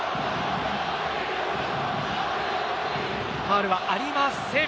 ファウルはありません。